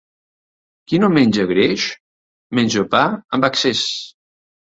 Qui no menja greix menja pa amb excés.